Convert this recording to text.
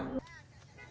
thịt hại do hỏa hoạt